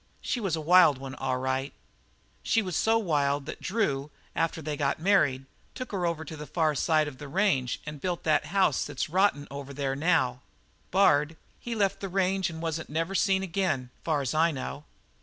She was a wild one, all right. "She was so wild that Drew, after they got married, took her over on the far side of the range and built that old house that's rottin' there now. Bard, he left the range and wasn't never seen again, far as I know."